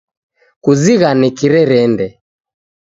Kuzighane kirerende